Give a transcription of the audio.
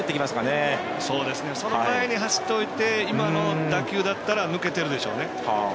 その前に走っておいて今の打球だったら抜けてるでしょうね。